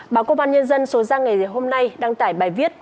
báo công an nhân dân số ra ngày hôm nay đăng tải bài viết